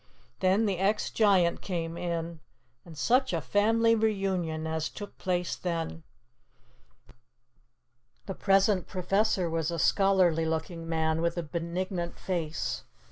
Then the ex giant came in, and such a family reunion as took place then! The present professor was a scholarly looking man with a benignant face.